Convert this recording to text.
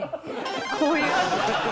こういう。